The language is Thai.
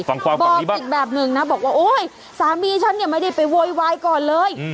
บอกอีกแบบหนึ่งนะบอกว่าโอ๊ยสามีฉันเนี่ยไม่ได้ไปโวยวายก่อนเลย